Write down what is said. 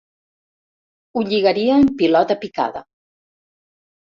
Ho lligaria en pilota picada.